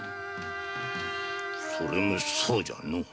それもそうじゃのぅ。